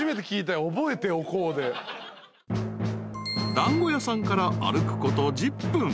［団子屋さんから歩くこと１０分］